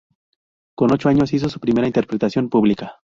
Con ocho años hizo su primera interpretación pública.